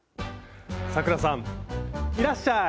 咲楽さんいらっしゃい！